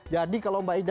jadi kalau mbak ida